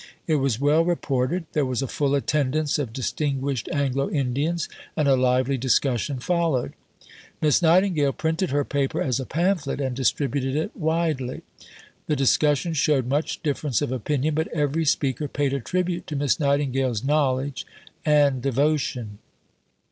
It was well reported; there was a full attendance of distinguished Anglo Indians, and a lively discussion followed. Miss Nightingale printed her Paper as a pamphlet and distributed it widely. The discussion showed much difference of opinion, but every speaker paid a tribute to Miss Nightingale's knowledge and devotion.